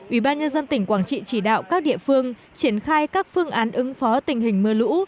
ubnd tỉnh quảng trị chỉ đạo các địa phương triển khai các phương án ứng phó tình hình mưa lũ